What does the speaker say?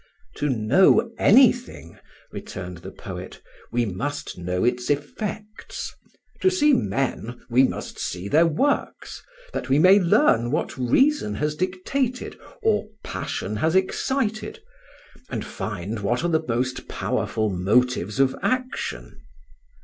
"To know anything," returned the poet, "we must know its effects; to see men, we must see their works, that we may learn what reason has dictated or passion has excited, and find what are the most powerful motives of action.